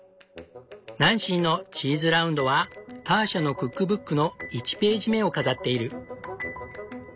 「ナンシーのチーズラウンド」はターシャのクックブックの１ページ目を飾っている。